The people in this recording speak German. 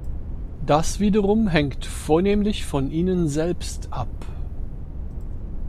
Das wiederum hängt vornehmlich von ihnen selbst ab.